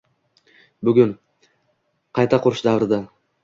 Bugun — qayta qurish davrida...